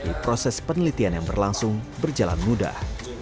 tapi proses penelitian yang berlangsung berjalan mudah